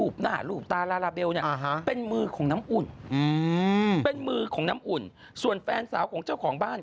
เป็นมือของน้ำอุ่นส่วนแฟนสาวของเจ้าของบ้าน